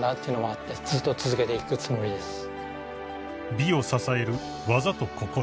［美を支える技と心］